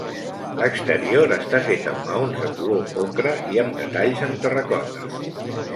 L'exterior està fet amb maons de color ocre i amb detalls en terracota.